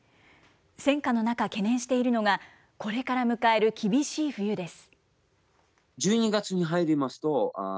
戦渦の中、懸念しているのが、これから迎える厳しい冬です。